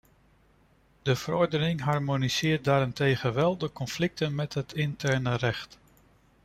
De verordening harmoniseert daarentegen wel de conflicten met het interne recht.